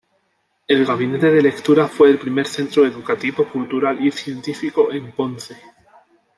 El Gabinete de Lectura fue el primer centro educativo, cultural y científico en Ponce.